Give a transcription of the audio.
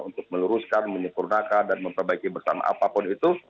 untuk meluruskan menyempurnakan dan memperbaiki bersama apapun itu